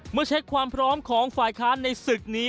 เมื่อเช็คความพร้อมของฝ่ายค้านในศึกนี้